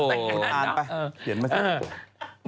คุณอ่านไปเดี๋ยวมาส่ง